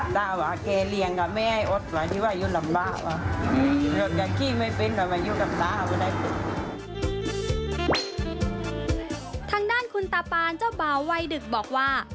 ทางด้านคุณตาปานเจ้าบ่าวัยดึกบอกว่า